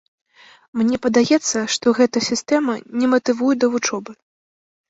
Мне падаецца, што гэта сістэма не матывуе да вучобы.